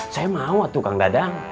saya mau tuh kang dadang